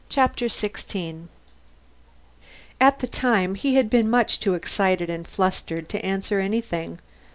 Chapter Sixteen At the time, he had been much too excited and flustered to answer anything.